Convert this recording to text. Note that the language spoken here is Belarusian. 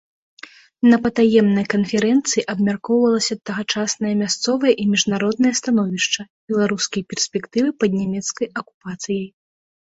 На патаемнай канферэнцыі абмяркоўвалася тагачаснае мясцовае і міжнароднае становішча, беларускія перспектывы пад нямецкай акупацыяй.